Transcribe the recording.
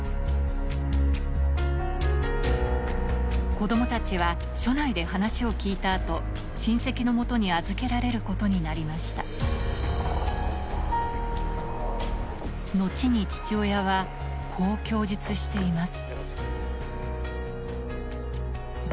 子供たちは署内で話を聞いた後親戚の元に預けられることになりました後に父親はこう供述しています